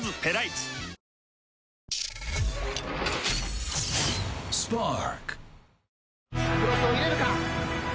クロスを入れるか？